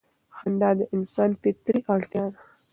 خندا د انسان فطري اړتیا ده.